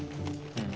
うん。